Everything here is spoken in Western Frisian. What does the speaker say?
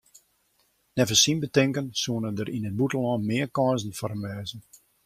Neffens syn betinken soene der yn it bûtenlân mear kânsen foar him wêze.